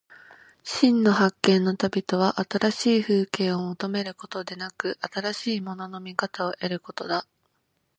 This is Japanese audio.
真の発見の旅とは、新しい風景を求めることでなく、新しいものの見方を得ることだ。